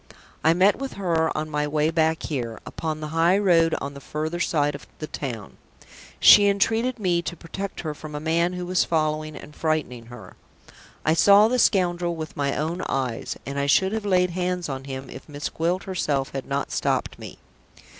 I met with her on my way back here, upon the high road on the further side of the town. She entreated me to protect her from a man who was following and frightening her. I saw the scoundrel with my own eyes, and I should have laid hands on him, if Miss Gwilt herself had not stopped me.